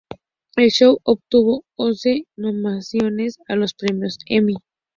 El show obtuvo once nominaciones a los premios Emmy.